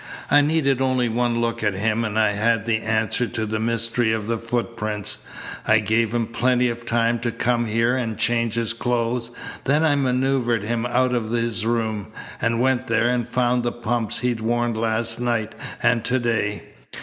I needed only one look at him, and I had the answer to the mystery of the footprints. I gave him plenty of time to come here and change his clothes, then I manoeuvered him out of his room and went there and found the pumps he'd worn last night and to day.